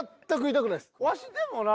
全く痛くないです。